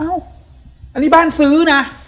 อันนี้บ้านซื้อนะ